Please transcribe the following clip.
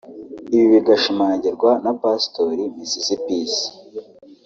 Ibi bigashimangirwa na Pasitori Musisi Peace